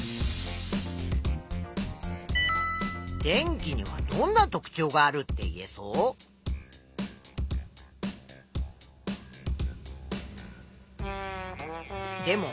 電気にはどんな特ちょうがあるって言えそう？